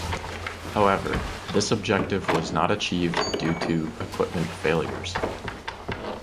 However, this objective was not achieved due to equipment failures.